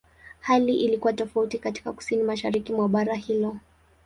Hali ilikuwa tofauti katika Kusini-Mashariki mwa bara hilo.